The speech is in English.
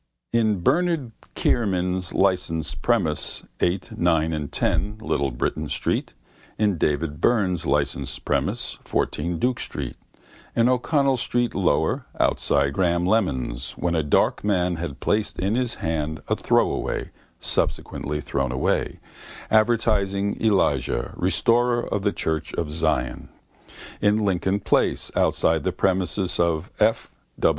In Bernard Kiernan's licensed premises 8, 9 and 10 little Britain street: in David Byrne's licensed premises, 14 Duke street: in O'Connell street lower, outside Graham Lemon's when a dark man had placed in his hand a throwaway (subsequently thrown away), advertising Elijah, restorer of the church in Zion: in Lincoln place outside the premises of F.